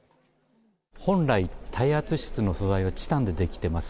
本来、耐圧室の素材はチタンで出来てます。